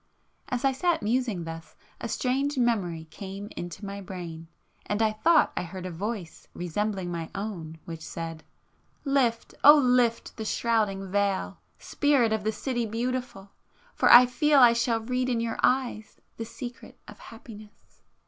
As I sat musing thus, a strange memory came into my brain, ... I thought I heard a voice resembling my own, which said— "Lift, oh lift the shrouding veil, spirit of the City Beautiful! For I feel I shall read in your eyes the secret of happiness!"